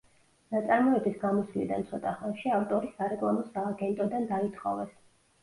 ნაწარმოების გამოსვლიდან ცოტა ხანში ავტორი სარეკლამო სააგენტოდან დაითხოვეს.